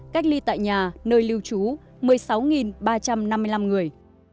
cách ly tại nhà nơi lưu trú một mươi sáu ba trăm năm mươi năm người